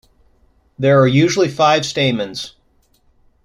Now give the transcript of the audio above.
There are usually five stamens.